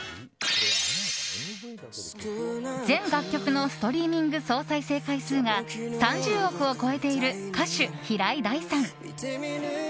全楽曲のストリーミング総再生回数が３０億を超えている歌手・平井大さん。